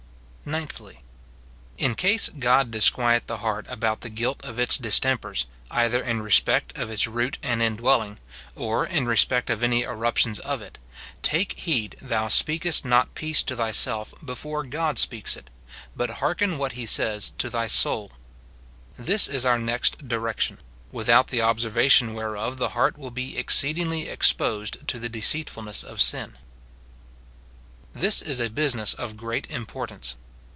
Ninthly, In case God disquiet the heart about the guilt of its distempers, either in respect of its root and indwelling, or in respect of any eruptions of it, take heed thou speaJcest not peace to thyself before God speaks it ; hut hearken what he says to thy soul. This is our next direction, without the observation whereof the heart will be exceedingly exposed to the deceitfulness of sin. This is a business of great importance.